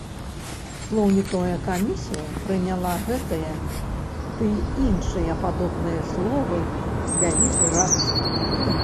Слоўнікавая камісія прыняла гэтае ды іншыя падобныя словы з вялікай радасцю.